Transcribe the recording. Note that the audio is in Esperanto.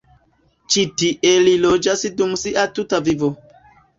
Ĉi tie li loĝis dum sia tuta vivo.